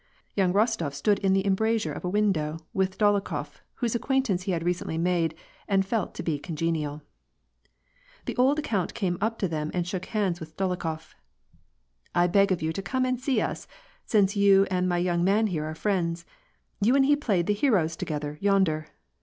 Young Ros tof stood in the embrasure of a window,' with Dolokhof, whose acquaintance he had recently made and felt to be congenial. The old count came up to them and shook hands with Dol okhof,— " I beg of you to come and see us ; since you and my yoimg man here are friends ; you and he played the heroes together, yonder.